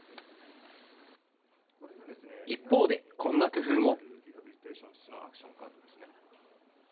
一方で、こんな工夫も。